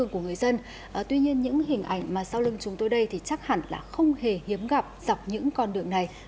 chúng tôi đây thì chắc hẳn là không hề hiếm gặp dọc những con đường này